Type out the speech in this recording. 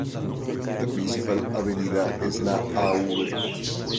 La principal avenida es la Av.